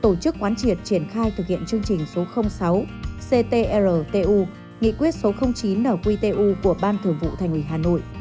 tổ chức quán triệt triển khai thực hiện chương trình số sáu ctrtu nghị quyết số chín nqtu của ban thường vụ thành ủy hà nội